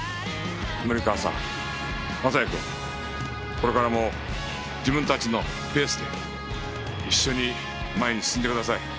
これからも自分たちのペースで一緒に前に進んでください。